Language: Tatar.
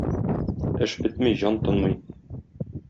Эш бетми җан тынмый.